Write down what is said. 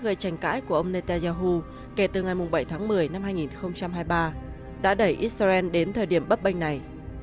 gây tranh cãi của ông netanyahu kể từ ngày bảy tháng một mươi năm hai nghìn hai mươi ba đã đẩy israel đến thời điểm bấp bênh này